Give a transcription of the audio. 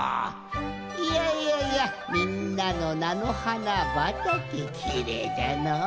いやいやいやみんなのなのはなばたけきれいじゃのう。